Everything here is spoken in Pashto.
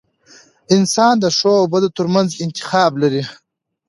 • انسان د ښو او بدو ترمنځ انتخاب لري.